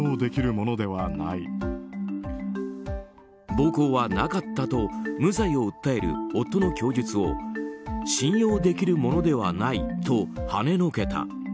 暴行はなかったと無罪を訴える夫の供述を信用できるものではないとはねのけた。